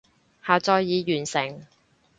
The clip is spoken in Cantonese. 下載已完成